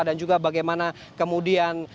dan juga bagaimana kemudian